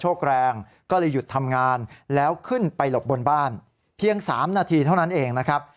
แรงก็เลยหยุดทำงานแล้วขึ้นไปหลบบนบ้านเพียง๓นาทีเท่านั้นเองนะครับ